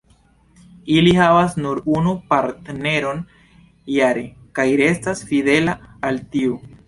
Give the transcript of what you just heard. Ili havas nur unu partneron jare, kaj restas fidela al tiu.